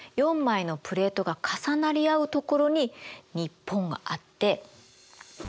４枚のプレートが重なり合う所に日本があって。